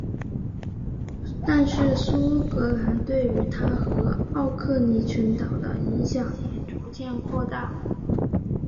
但是苏格兰对于它和奥克尼群岛的影响也逐渐扩大。